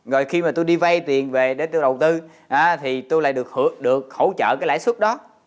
rồi khi mà tôi đi vay tiền về để tôi đầu tư thì tôi lại được hỗ trợ cái lãi suất đó